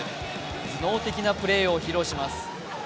頭脳的なプレーを披露します。